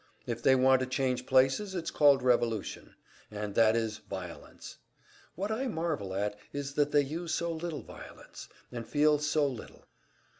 If they want to change places, it's called `revolution,' and that is `violence.' What I marvel at is that they use so little violence, and feel so little.